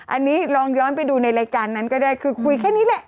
อันนี้ลองย้อนไปดูในรายการนั้นก็ได้คือคุยแค่นี้แหละ